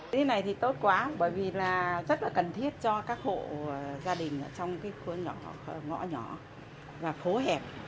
thế này thì tốt quá bởi vì là rất là cần thiết cho các hộ gia đình trong cái khu nhỏ ngõ nhỏ và phố hẹp